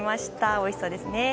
おいしそうですね。